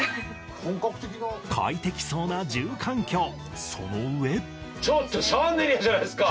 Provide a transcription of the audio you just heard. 快適そうな住環境その上ちょっとシャンデリアじゃないですか。